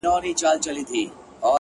• زما ياران اوس په دې شكل سـوله ـ